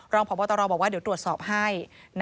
รองพบตรบอกว่าเดี๋ยวตรวจสอบให้